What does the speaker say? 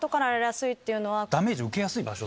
ダメージ受けやすい場所。